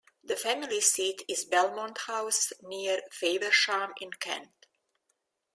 The family seat is Belmont House near Faversham in Kent.